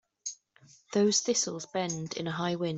Those thistles bend in a high wind.